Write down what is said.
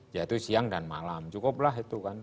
yaitu siang dan malam cukuplah itu kan